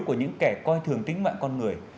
của những kẻ coi thường tính mạng con người